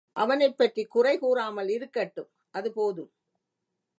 அவனைப்பற்றிக் குறைகூறாமல் இருக்கட்டும் அது போதும்.